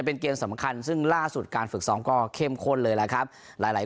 เป็นเกมสำคัญซึ่งล่าสุดการฝึกซ้อมก็เข้มข้นเลยแหละครับหลาย